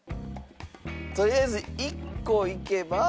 とりあえず１個いけば。